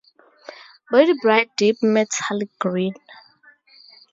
Body bright deep metallic green.